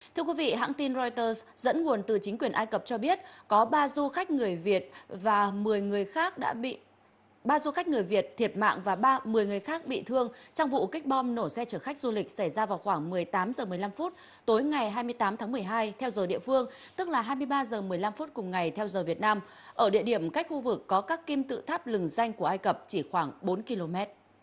thưa quý vị hãng tin reuters dẫn nguồn từ chính quyền ai cập cho biết có ba du khách người việt thiệt mạng và ba người khác bị thương trong vụ kích bom nổ xe chở khách du lịch xảy ra vào khoảng một mươi tám h một mươi năm tối ngày hai mươi tám tháng một mươi hai theo giờ địa phương tức là hai mươi ba h một mươi năm cùng ngày theo giờ việt nam ở địa điểm cách khu vực có các kim tự tháp lừng danh của ai cập chỉ khoảng bốn km